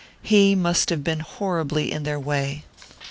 He must have been horribly in their way!